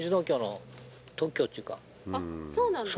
そうなんですか？